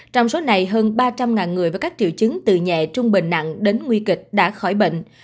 trong số này hơn ba trăm linh người với các triệu chứng từ nhẹ trung bình nặng đến nguy kịch đã khỏi bệnh